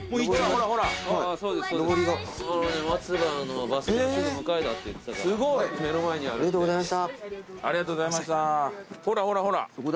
ほらほらほら。